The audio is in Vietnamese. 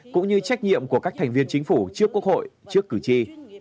cũng như trách nhiệm của các thành viên chính phủ trước quốc hội trước cử tri